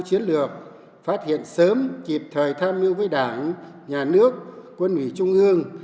được phát hiện sớm kịp thời tham mưu với đảng nhà nước quân ủy trung ương